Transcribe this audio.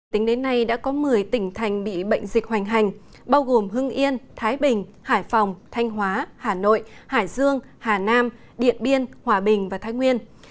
tính đến nay đã có một mươi tỉnh thành bị bệnh dịch hoành hành bao gồm hưng yên thái bình hải phòng thanh hóa hà nội hải dương hà nam điện biên hòa bình và thái nguyên